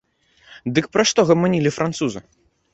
Дык пра што гаманілі французы?